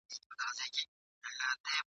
اخره زمانه سوه د چرګانو یارانه سوه !.